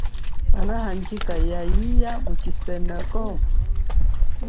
Kanahandjika ya iya mu isoneko?